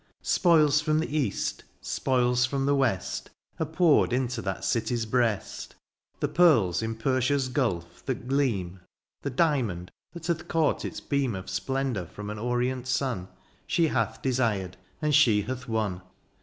Spoils from the east, spoils from the west, (o) Are poured into that city's breast. The pearls in Persia's gulf that gleam. The diamond that hath caught its beam Of splendour from an orient sun. She hath desired, and she hath won.